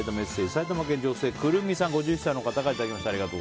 埼玉県の女性、５１歳の方からいただきました。